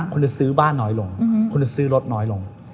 คุณจะซื้อบ้านน้อยลงคุณจะซื้อรถน้อยลง